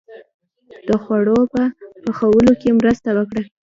• د خوړو په پخولو کې مرسته وکړه.